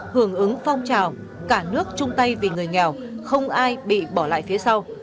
hưởng ứng phong trào cả nước chung tay vì người nghèo không ai bị bỏ lại phía sau